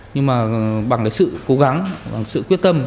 nhưng mà bằng cái sự cố gắng bằng sự quyết tâm